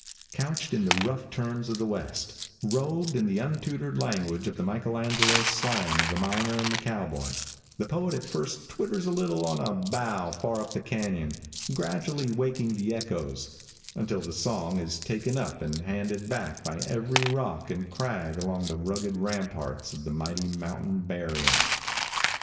Couched in the rough terms of the west; robed in the untutored language of the Michael Angelo slang of the miner and the cowboy, the poet at first twitters a little on a bough far up the canyon, gradually waking the echoes, until the song is taken up and handed back by every rock and crag along the rugged ramparts of the mighty mountain barrier.